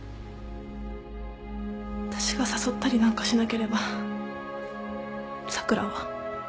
私が誘ったりなんかしなければ咲良は。